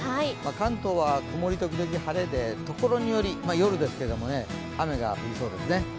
関東は曇り時々晴れで所により、夜ですけど雨が降りそうですね。